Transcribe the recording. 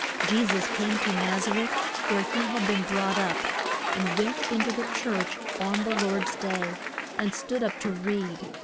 ] Je sus came to Naz a reth where he had been brought up, and went in to the church on the Lord's day and stood up to read.